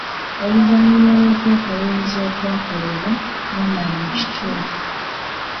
"Oluvannyuma lw’okwekaliriza okwakolebwa, twamanya ekituufu. "